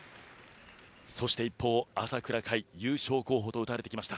そして一方、朝倉海優勝候補とうたわれてきました。